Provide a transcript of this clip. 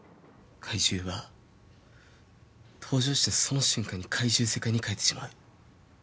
怪獣は登場したその瞬間に怪獣世界に変えてしまう。